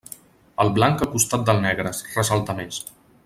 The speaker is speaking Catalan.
El blanc al costat del negre, ressalta més.